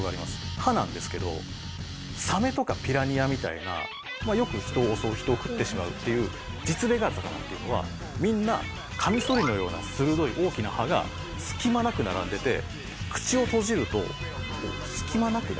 歯なんですけどサメとかピラニアみたいなよく人を襲う人を食ってしまうっていう実例がある魚っていうのはみんなカミソリのような鋭い大きな歯が隙間なく並んでいて口を閉じるとこう隙間なくね